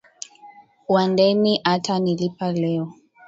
Wandeni ata nilipa leo